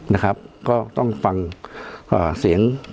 นะครับก็ต้องฟังเสียง